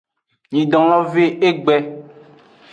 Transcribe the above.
Nyidon lo ve egbe.